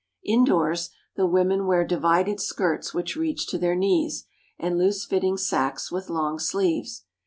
Indoors, the women wear divided skirts which reach to their knees and loose fitting sacks with long sleeves.